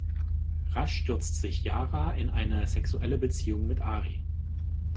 Rasch stürzt sich Jara in eine sexuelle Beziehung mit Arie.